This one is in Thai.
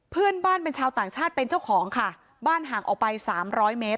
เพื่อนบ้านเป็นชาวต่างชาติเป็นเจ้าของค่ะบ้านห่างออกไปสามร้อยเมตร